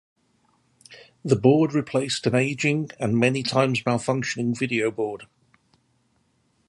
The board replaced an aging, and many times malfunctioning video board.